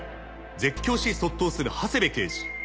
絶叫し卒倒する長谷部刑事。